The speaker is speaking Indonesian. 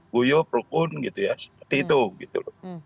buyo perukun gitu ya seperti itu